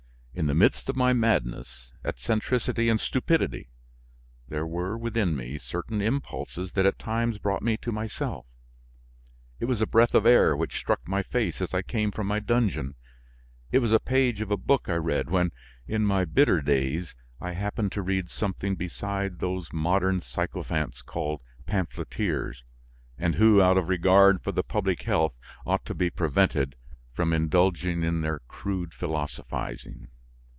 In the midst of my madness, eccentricity, and stupidity, there were within me certain impulses that at times brought me to myself. It was a breath of air which struck my face as I came from my dungeon; it was a page of a book I read when, in my bitter days, I happened to read something besides those modern sycophants called pamphleteers, and who, out of regard for the public health, ought to be prevented from indulging in their crude philosophizing.